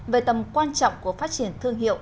về tầm quan trọng của phát triển thương hiệu